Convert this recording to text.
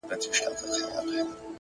عاجزي د درناوي لاره پرانیزي!